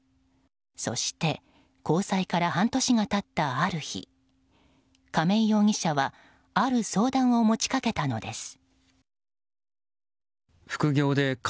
そして、交際から半年が経ったある日亀井容疑者はある相談を持ち掛けたのです。